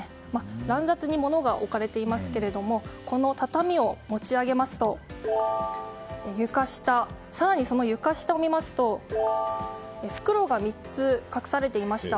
乱雑に物が置かれていますがこの畳を持ち上げますと床下、更にその床下を見ますと袋が３つ隠されていました。